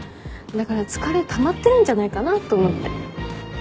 だから疲れたまってるんじゃないかなと思って。